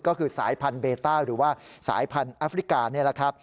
ก็คือสายพันธุ์เบต้าหรือว่าสายพันธุ์แอฟริกา